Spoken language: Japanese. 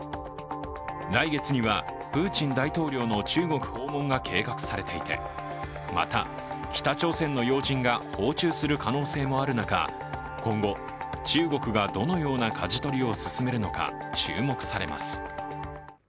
来月にはプーチン大統領の中国訪問が計画されていて、また北朝鮮の要人が訪中する可能性もある中、今後、中国がどのようなかじ取りを進めるのか注目されます。